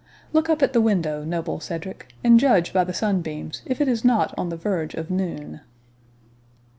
Look up at the window, noble Cedric, and judge by the sunbeams if it is not on the verge of noon."